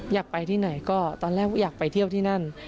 อยากไปที่ไหนก็ตอนแรกอยากไปเที่ยวที่นั่น